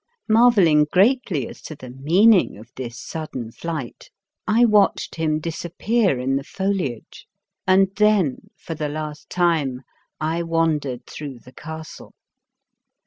Marvelling greatly as to the meaning of this sudden flight, I 107 The Fearsome Island watched him disappear in the foliage, and then for the last time I wandered through the castle.